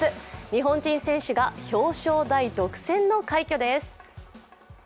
日本人選手が表彰台独占の快挙です。